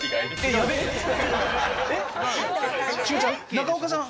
中岡さん？